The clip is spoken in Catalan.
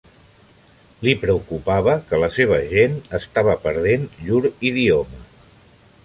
Li preocupava que la seva gent estava perdent llur idioma.